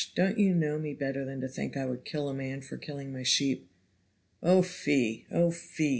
don't you know me better than to think I would kill a man for killing my sheep. Oh fie! oh fie!